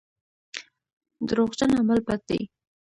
دروغجن عمل بد دی.